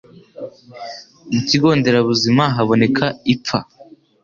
Mu kigo nderabuzima, haboneka ipfa